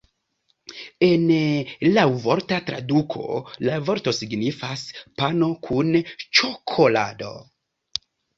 En laŭvorta traduko la vorto signifas "pano kun ĉokolado".